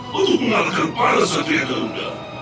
baik ya mluar black lord